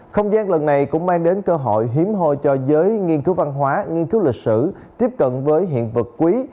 không gian lần này cũng mang đến cơ hội hiếm hoi cho giới nghiên cứu văn hóa nghiên cứu lịch sử tiếp cận với hiện vật quý